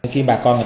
khi bà con